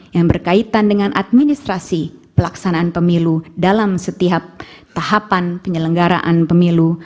yang berkaitan dengan administrasi pelaksanaan pemilu dalam setiap tahapan penyelenggaraan pemilu